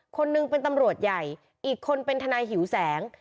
คนหนึ่งเป็นตำรวจใหญ่อีกคนเป็นทนายหิวแสง